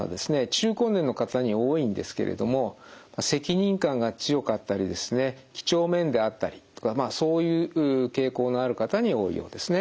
中高年の方に多いんですけれども責任感が強かったりですねきちょうめんであったりとかそういう傾向のある方に多いようですね。